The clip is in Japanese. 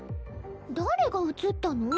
誰が映ったの？